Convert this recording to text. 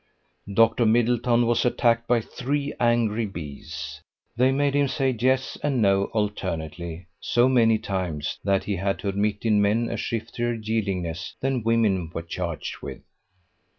Dr Middleton was attacked by three angry bees. They made him say yes and no alternately so many times that he had to admit in men a shiftier yieldingness than women were charged with.